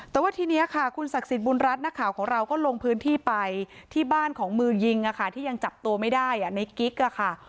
แต่ว่าทีนี้ค่ะคุณศักดิ์สิทธิบุญรัฐนักข่าวของเราก็ลงพื้นที่ไปที่บ้านของมือยิงที่ยังจับตัวไม่ได้ในกิ๊กอะค่ะ